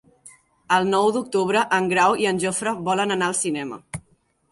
El nou d'octubre en Grau i en Jofre volen anar al cinema.